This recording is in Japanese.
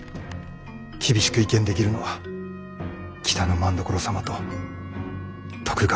厳しく意見できるのは北政所様と徳川殿ぐらい。